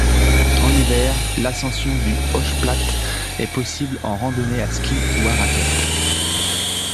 En hiver, l'ascension du Hochplatte est possible en randonnées à ski ou à raquettes.